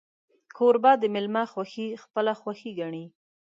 کوربه د میلمه خوښي خپله خوښي ګڼي.